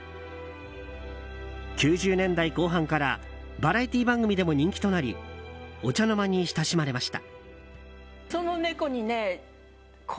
９０年代後半からバラエティー番組でも人気となりお茶の間に親しまれました。